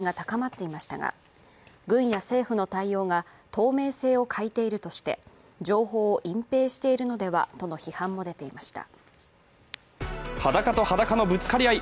アメリカでは安全保障の観点からＵＡＰへの関心が高まっていましたが軍や政府の対応が透明性を欠いているとして、情報を隠ぺいしているのではとの批判も出ていました。